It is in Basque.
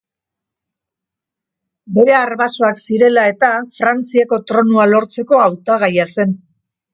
Bere arbasoak zirela eta Frantziako tronua lortzeko hautagaia zen.